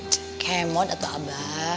cek kemot atau abah